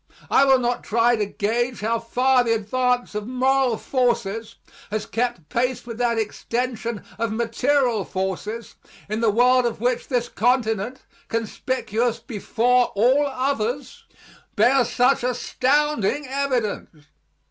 I will not try to gauge how far the advance of moral forces has kept pace with that extension of material forces in the world of which this continent, conspicuous before all others, bears such astounding evidence.